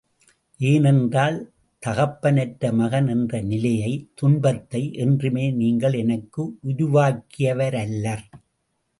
ஏனென்றால் தகப்பனற்ற மகன் என்ற நிலையை, துன்பத்தை, என்றுமே நீங்கள் எனக்கு உருவாக்கியவரல்லர்!